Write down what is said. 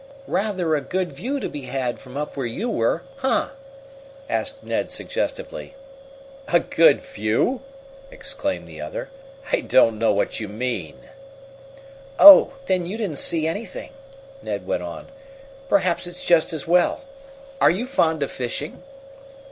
"Rather a good view to be had from up where you were, eh?" asked Ned suggestively. "A good view?" exclaimed the other. "I don't know what you mean!" "Oh, then you didn't see anything," Ned went on. "Perhaps it's just as well. Are you fond of fishing?"